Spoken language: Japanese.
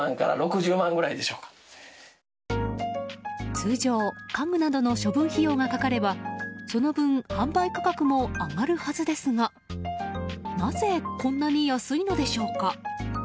通常、家具などの処分費用がかかればその分、販売価格も上がるはずですがなぜ、こんなに安いのでしょうか。